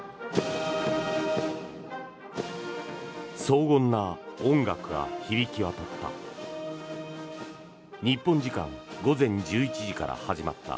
荘厳な音楽が響き渡った。